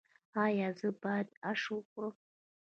ایا زه باید اش وخورم؟